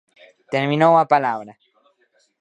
Terminou a palabra.